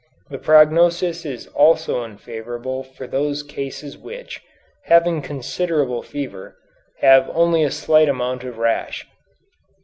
The prognosis is also unfavorable for those cases which, having considerable fever, have only a slight amount of rash.